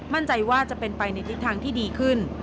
มั่นใจว่าจะเป็นไปในทิศทางที่ดีขึ้น